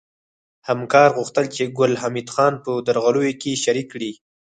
همکار غوښتل چې ګل حمید خان په درغلیو کې شریک کړي